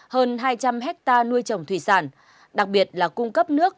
hơn hai trăm linh hectare nuôi trồng thủy sản đặc biệt là cung cấp nước